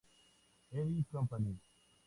Eddy Company.